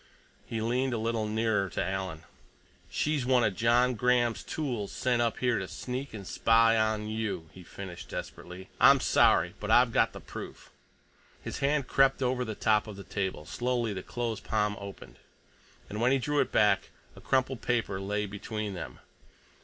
He leaned a little nearer to Alan. "She's one of John Graham's tools sent up here to sneak and spy on you," he finished desperately. "I'm sorry—but I've got the proof." His hand crept over the top of the table; slowly the closed palm opened, and when he drew it back, a crumpled paper lay between them.